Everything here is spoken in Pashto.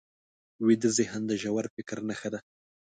ویده ذهن د ژور فکر نښه ده